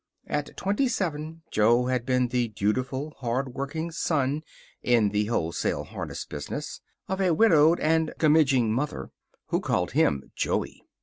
At twenty seven Jo had been the dutiful, hard working son (in the wholesale harness business) of a widowed and gummidging mother, who called him Joey.